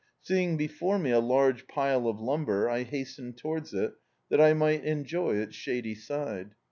Seeing before me a large pile of lumber, I hastened towards it, that I might enjoy its shady side.